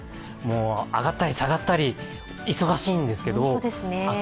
上がったり下がったり忙しいんですけど明日